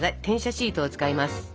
転写シートを使います。